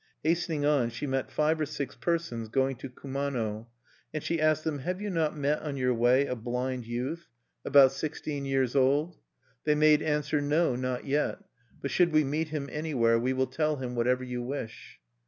Hastening on, she met five or six persona going to Kumano; and she asked them: "Have you not met on your way a blind youth, about sixteen years old?" They made answer: "No, not yet; but should we meet him anywhere, we will tell him whatever you wish."